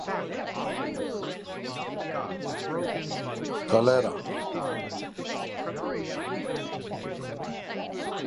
The word "Calera" is Spanish for "limestone quarry" or "limekiln".